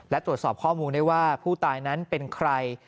และตรวจสอบข้อมูลได้ว่าผู้ตายนั้นเป็นใคร